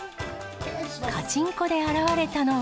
カチンコで現れたのは。